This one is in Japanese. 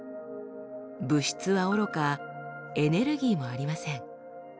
物質はおろかエネルギーもありません。